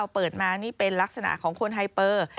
เปิดมานี่เป็นลักษณะของคนไฮเปอร์